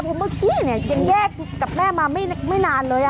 เพราะเมื่อกี้เนี่ยยังแยกกับแม่มาไม่นานเลย